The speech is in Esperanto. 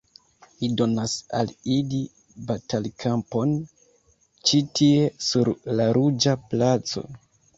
Mi donas al ili batalkampon ĉi tie, sur la Ruĝa Placo.